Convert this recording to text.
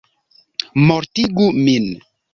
Mortigu min!